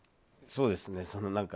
そうですね。